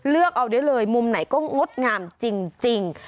เลือกเอาได้เลยมุมไหนก็งดงามจริง